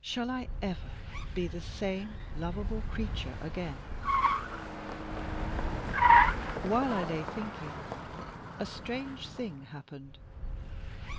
Shall I ever be the same lovable creature again? While I lay thinking, a strange thing happened.